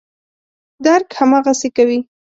درک هماغسې کوي.